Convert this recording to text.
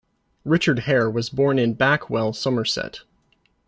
Richard Hare was born in Backwell, Somerset.